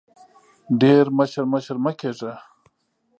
ډېر مشر مشر مه کېږه !